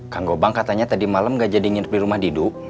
kang gopang katanya tadi malam nggak jadi nginep di rumah didu